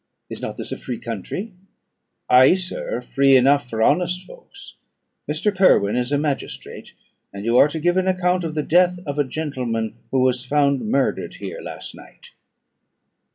Is not this a free country?" "Ay, sir, free enough for honest folks. Mr. Kirwin is a magistrate; and you are to give an account of the death of a gentleman who was found murdered here last night."